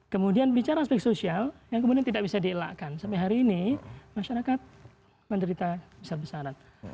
kemudian bicara aspek sosial yang kemudian tidak bisa dielakkan sampai hari ini masyarakat menderita besar besaran